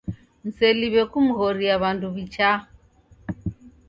Mseliwe kumghoria W'andu wichaa.